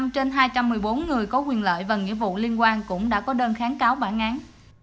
một mươi trên hai trăm một mươi bốn người có quyền lợi và nghĩa vụ liên quan cũng đã có đơn kháng cáo bản án